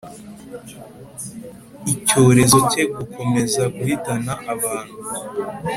Icyorezo cye gukomeza guhitana abantu